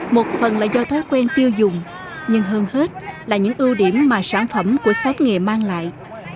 một phần là do thói quen tiêu dùng nhưng hơn hết là những ưu điểm mà sản phẩm của she mang lại